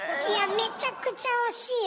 めちゃくちゃ惜しいよ。